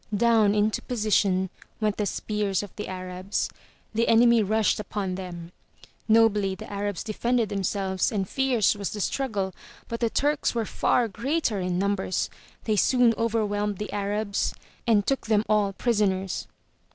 Down into position went the spears of the Arabs; the enemy rushed upon them. Nobly the Arabs defended them selves and fierce was the struggle, but the Turks were far greater in numbers; they soon overwhelmed the Arabs and took them all prisoners.